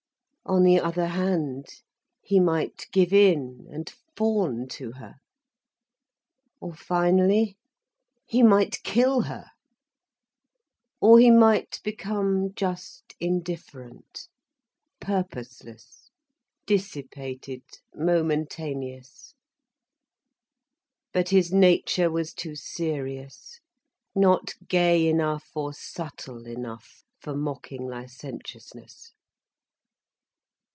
On the other hand, he might give in, and fawn to her. Or, finally, he might kill her. Or he might become just indifferent, purposeless, dissipated, momentaneous. But his nature was too serious, not gay enough or subtle enough for mocking licentiousness.